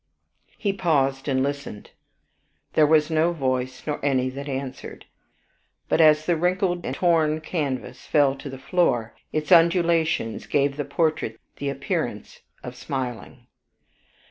He paused and listened: "There was no voice, nor any that answered;" but as the wrinkled and torn canvas fell to the floor, its undulations gave the portrait the appearance of smiling.